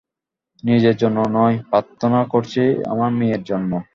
নিজের জন্য নয়, প্রার্থনা করছি আমার মেয়ের জন্য।